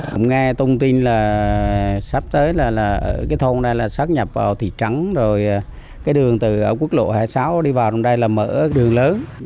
cũng nghe thông tin là sắp tới là cái thôn này là sát nhập vào thị trắng rồi cái đường từ quốc lộ hai mươi sáu đi vào trong đây là mở đường lớn